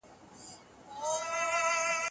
که سکندر دی که رستم دی عاقبت ورته غوزاریږی